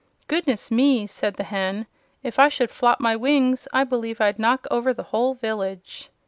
"Goodness me!" said the Hen. "If I should flop my wings I believe I'd knock over the whole village!"